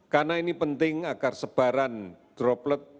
karena ini penting agar sebaran droplet